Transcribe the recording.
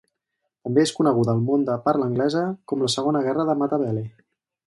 També és coneguda al món de parla anglesa com la Segona Guerra de Matabele.